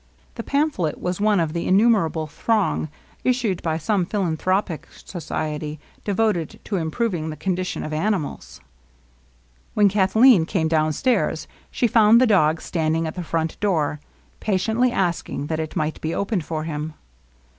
The pamphlet was one of the innumerable throng issued by some phi lanthropic society devoted to improving the condi tion of animals. LOVELINESS. 18 When Elathleen came downstairs she found the dog standing at the front door^ patiently asking that it might be opened for him.